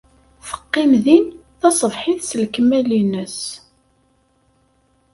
Teqqim din taṣebḥit s lekmal-nnes.